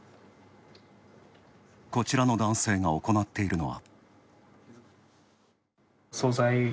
こちらの男性が行っているのは。